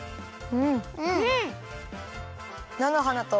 うん。